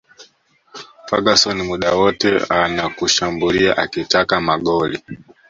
Ferguson muda wote anakushambulia akitaka magoli